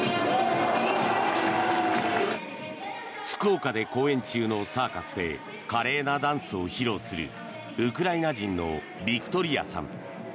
福岡で公演中のサーカスで華麗なダンスを披露するウクライナ人のヴィクトリアさん。